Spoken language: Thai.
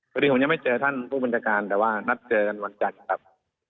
พอดีผมยังไม่เจอท่านผู้บัญชาการแต่ว่านัดเจอกันวันจันทร์ครับ